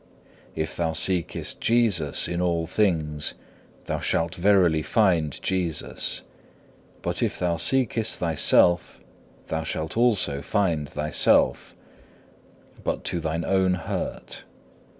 If thou seekest Jesus in all things thou shalt verily find Jesus, but if thou seekest thyself thou shalt also find thyself, but to thine own hurt.